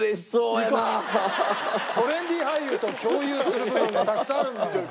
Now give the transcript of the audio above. トレンディ俳優と共有する部分がたくさんあるんだよ。